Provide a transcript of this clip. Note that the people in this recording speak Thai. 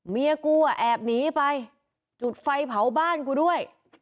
เมียกูอ่ะแอบหนีไปจุดไฟเผาบ้านกูด้วย